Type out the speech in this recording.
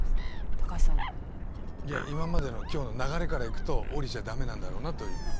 高橋さんは？いや今までの今日の流れからいくと降りちゃ駄目なんだろうなという。